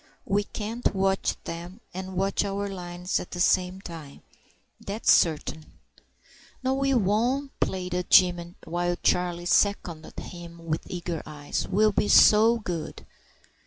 We can't watch them and watch our lines at the same time, that's certain." "No, we won't," pleaded Jim, while Charlie seconded him with eager eyes. "We'll be so good."